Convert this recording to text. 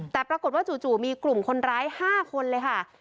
แต่ปรากฏว่าจู่มีกลุ่มคนร้าย๕คนเลยค่ะ